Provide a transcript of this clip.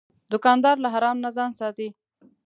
دوکاندار له حرام نه ځان ساتي.